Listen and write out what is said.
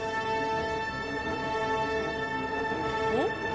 おっ？